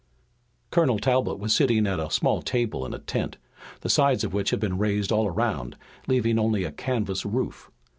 Colonel Talbot was sitting at a small table in a tent, the sides of which had been raised all around, leaving only a canvas roof.